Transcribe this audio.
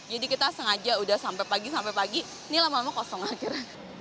jadi kita sengaja udah sampai pagi pagi ini lama lama kosong akhirnya